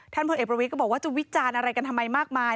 พลเอกประวิทย์ก็บอกว่าจะวิจารณ์อะไรกันทำไมมากมาย